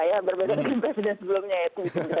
itu juga jantungan juga mas